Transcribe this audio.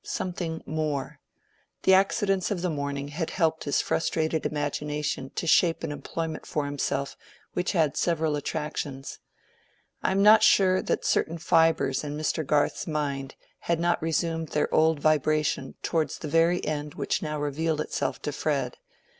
Something more. The accidents of the morning had helped his frustrated imagination to shape an employment for himself which had several attractions. I am not sure that certain fibres in Mr. Garth's mind had not resumed their old vibration towards the very end which now revealed itself to Fred.